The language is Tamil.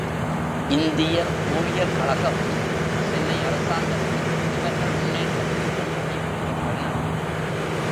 இந்திய ஊழியர்கழக மும், சென்னை அரசாங்கமும் இவர்கள் முன்னேற்றத்திற்குத் துணைபுரிகின்றன.